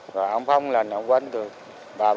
rồi ông phóng lên ông quến tôi